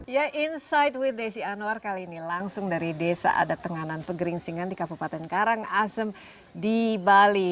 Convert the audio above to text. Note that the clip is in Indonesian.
ya kinsaid with desi anwar kali ini langsung dari desa tenganan pegering singan di kabupaten karang arseng di bali